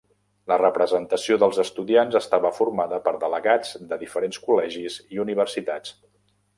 La representació dels estudiants estava formada per delegats de diferents col·legis i universitats.